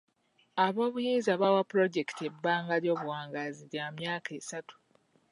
Ab'obuyinza baawa pulojekiti ebbanga ly'obuwangaazi lya myaka esatu.